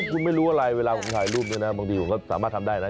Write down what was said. คุณไม่รู้อะไรเวลาผมถ่ายรูปด้วยนะบางทีผมก็สามารถทำได้นะ